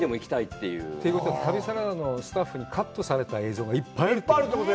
ということは、旅サラダのスタッフにカットされた映像がいっぱいあるってこと？